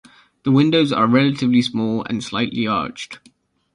The windows are relatively small and slightly arched.